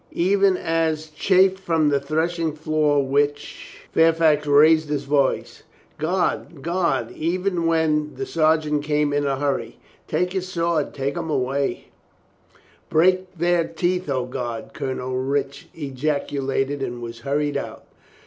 "Even as chaff from the threshing floor which —" Fairfax raised his voice. "Guard! Guard!" and when the sergeant came in a hurry, "Take his sword, take him away." 318 THE KING TURNS 319 "Break their teeth, O God!" Colonel Rich ejacu lated and was hurried out.